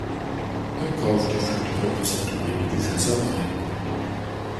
Er kaufte für die Hochzeit einige Fässer Wein.